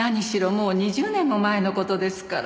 もう２０年も前の事ですから。